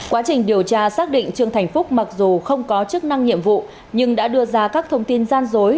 quá trình điều tra xác định trương thành phúc mặc dù không có chức năng nhiệm vụ nhưng đã đưa ra các thông tin gian dối